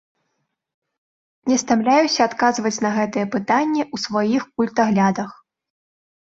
Не стамляюся адказваць на гэтае пытанне ў сваіх культаглядах.